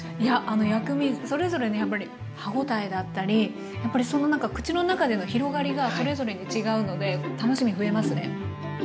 薬味それぞれねやっぱり歯応えだったりやっぱりなんか口の中での広がりがそれぞれに違うので楽しみ増えますね。